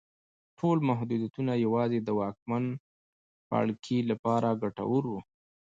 ټول محدودیتونه یوازې د واکمن پاړکي لپاره ګټور وو.